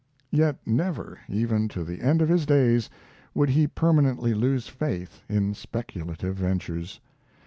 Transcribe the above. Yet never, even to the end of his days, would he permanently lose faith in speculative ventures.